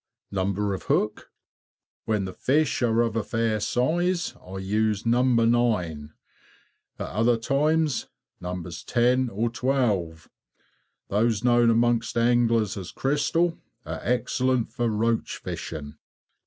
Number of hook_? When the fish are of fair size, I use No. 9, at other times Nos. 10 or 12. Those known amongst anglers as "Crystal," are excellent for roach fishing.